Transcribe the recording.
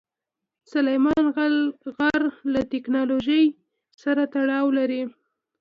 سلیمان غر له تکنالوژۍ سره تړاو لري.